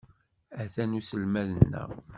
Atan uselmad-nneɣ.